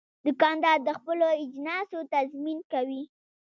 دوکاندار د خپلو اجناسو تضمین کوي.